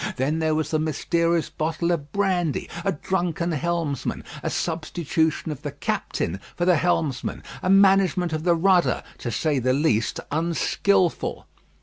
Then there was the mysterious bottle of brandy; a drunken helmsman; a substitution of the captain for the helmsman; a management of the rudder, to say the least, unskilful.